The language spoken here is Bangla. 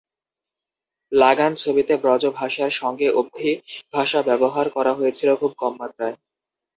লাগান ছবিতে ব্রজ ভাষার সঙ্গে অবধি ভাষা ব্যবহার করা হয়েছিল খুব কম মাত্রায়।